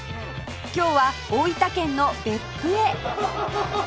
今日は大分県の別府へ